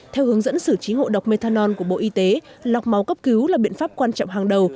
theo hướng dẫn xử trí ngộ độc methanol của bộ y tế lọc máu cấp cứu là biện pháp quan trọng hàng đầu